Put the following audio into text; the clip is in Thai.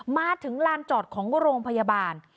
มาถึงลานจอดของโรงพยาบาล